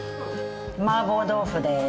麻婆豆腐です。